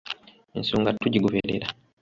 Ensonga tugigoberera.